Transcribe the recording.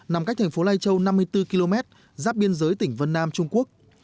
nằm cách thành phố lai châu năm mươi bốn km giáp biên giới tỉnh vân nam trung quốc